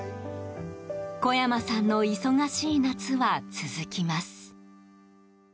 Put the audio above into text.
小山さんの忙しい夏は続きます。